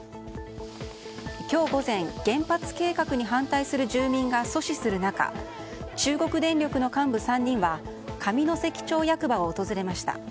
今日午前、原発計画に反対する住民が阻止する中中国電力の幹部３人は上関町役場を訪れました。